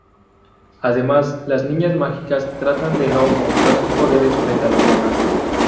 Además, las niñas mágicas tratan de no mostrar sus poderes frente a los demás.